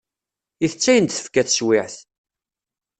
Itett ayen d-tefka teswiɛt.